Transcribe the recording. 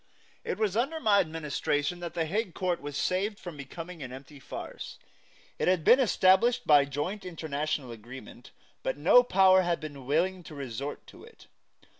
It was under my administration that the Hague Court was saved from becoming an empty farce. It had been established by joint international agreement, but no Power had been willing to resort to it.